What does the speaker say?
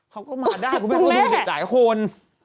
เขาก็มาได้กรุ่งแม่ก็ดูเด็กหลายคน